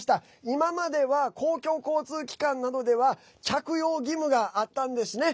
今までは公共交通機関などでは着用義務があったんですね。